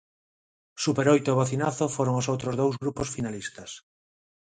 Superoito e Bocinazo foron os outros dous grupos finalistas.